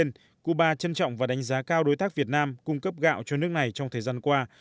tuy nhiên cuba trân trọng và đánh giá cao đối tác việt nam cung cấp gạo cho nước này trong thời gian qua